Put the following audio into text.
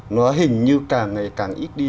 nó hình như càng ngày càng ít đi